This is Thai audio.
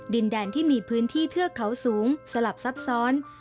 ดินแดนที่มีพื้นที่เทือกเขาสูงสลับซับซ้อน